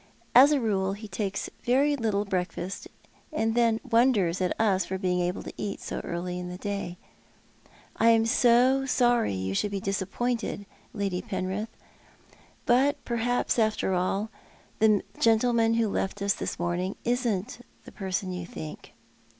As a rule he takes very little breakfast, and wonders at us for being able to eat so early iu the day. I am so sorry you should be disappoiuted. TJic Vicar of St. Jitcics. 247 Lady Penrith; but perliaps after all, the gentleman who left us this morning isn't the person you think."